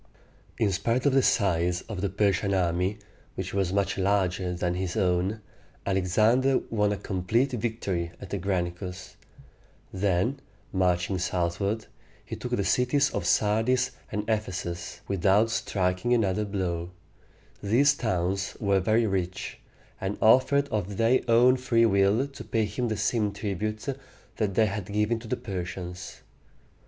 In spite of the size of the Persian army, which was much larger than his own, Alexander won a complete victory at the Granicus. Then, marching southward, he took the cities of Sardis and Ephesus without striking another blow. These towns were very rich, and offered of their own free will to pay him the same tribute that they had given to the Persians.